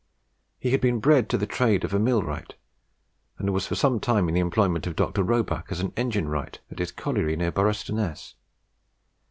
He had been bred to the trade of a mill wright, and was for some time in the employment of Dr. Roebuck as an engine wright at his colliery near Boroughstoness.